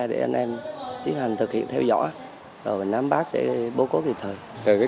để anh em tiến hành thực hiện theo dõi rồi nám bắt để bố cố kịp thời